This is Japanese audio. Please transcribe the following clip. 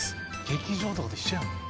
劇場とかと一緒やん。